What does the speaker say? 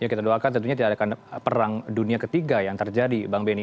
kita doakan tentunya tidak akan perang dunia ketiga yang terjadi bang benny